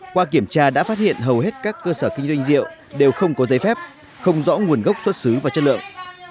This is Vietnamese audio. qua kiểm tra đã phát hiện hầu hết các cơ sở kinh doanh rượu đều không có giấy phép không rõ nguồn gốc xuất xứ và chất lượng